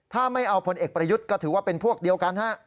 ถ้าไม่เอาพลเอกประยุทธ์ก็ถือว่าเป็นพวกเดียวกันฮะ